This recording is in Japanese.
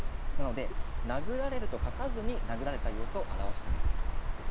なので「殴られる」と書かずに殴られた様子を表してみる。